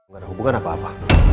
gak ada hubungan apa apa